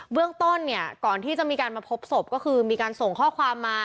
เรื่องต้นเนี่ยก่อนที่จะมีการมาพบศพก็คือมีการส่งข้อความมา